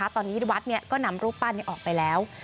ตอนนี้วัดก็นำรูปปั้นออกไปแล้ว